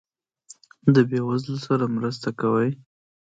د بې وزلو سره مرسته کوئ؟